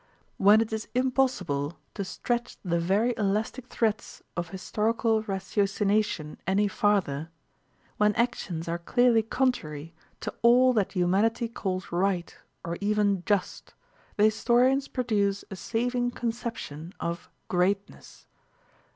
When it is impossible to stretch the very elastic threads of historical ratiocination any farther, when actions are clearly contrary to all that humanity calls right or even just, the historians produce a saving conception of "greatness."